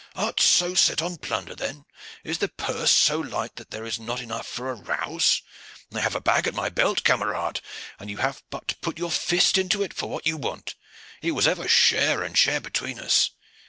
"Art so set on plunder then? Is the purse so light that there is not enough for a rouse? I have a bag at my belt, camarade, and you have but to put your fist into it for what you want. It was ever share and share between us."